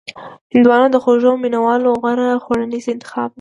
هندوانه د خوږو مینوالو غوره خوړنیز انتخاب دی.